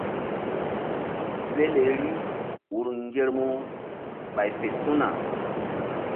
Peleri ur ŋgermu ɓay fe su̧na.